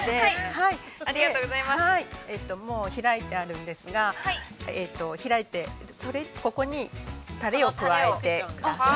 ◆はい、もう開いてあるんですが開いて、それ、ここにタレを加えてください。